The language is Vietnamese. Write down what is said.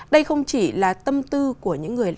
đây không chỉ là tâm tư của những người